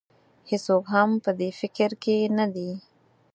هېڅوک هم په دې فکر کې نه دی.